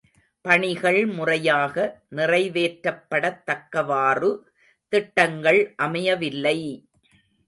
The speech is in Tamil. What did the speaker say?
பணிகள் முறையாக நிறைவேற்றப்படத்தக்கவாறு திட்டங்கள் அமையவில்லை!